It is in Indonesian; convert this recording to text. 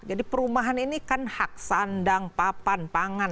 jadi perumahan ini kan hak sandang papan pangan